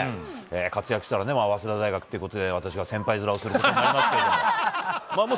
活躍したらね、早稲田大学ということでね、私が先輩面をすることになりますけれども。